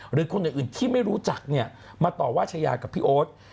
หรือคนอื่นที่ไม่รู้จักเนี่ยมาต่อว่าชายากับพี่โอ๊ต